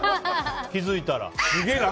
気づいたら。